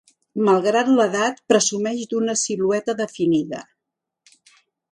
Malgrat l'edat, presumeix d'una silueta definida.